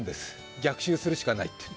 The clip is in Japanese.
逆襲するしかないって。